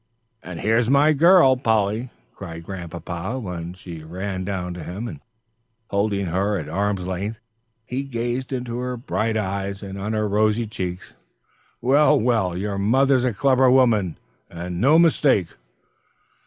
"And here's my girl, Polly," cried Grandpapa, when she ran down to him, and holding her at arm's length, he gazed into her bright eyes and on her rosy cheeks. "Well, well, your mother's a clever woman, and no mistake."